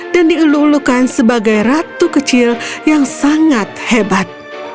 dan dielulukan sebagai ratu kecil yang sangat hebat